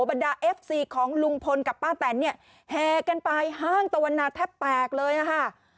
บรรดาเอฟซีของลุงพลกับป้าแตนเนี่ยแห่กันไปห้างตะวันนาแทบแตกเลยค่ะ